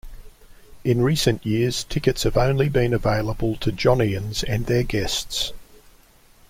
In recent years, tickets have only been available to Johnians and their guests.